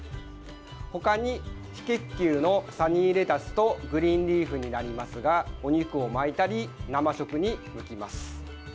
他に非結球のサニーレタスとグリーンリーフになりますがお肉を巻いたり、生食に向きます。